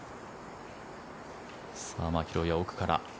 マキロイは奥から。